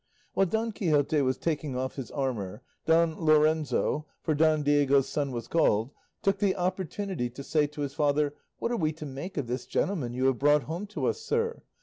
While Don Quixote was taking off his armour, Don Lorenzo (for so Don Diego's son was called) took the opportunity to say to his father, "What are we to make of this gentleman you have brought home to us, sir?